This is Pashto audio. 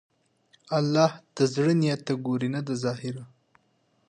الله د زړه نیت ته ګوري، نه د ظاهره.